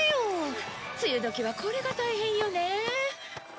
梅雨時はこれが大変よね。